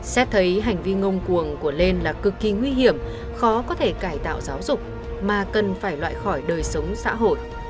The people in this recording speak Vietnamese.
xét thấy hành vi ngông cuồng của lên là cực kỳ nguy hiểm khó có thể cải tạo giáo dục mà cần phải loại khỏi đời sống xã hội